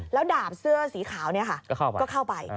แล้วดาบเสื้อสีขาวนี่ค่ะก็เข้าไป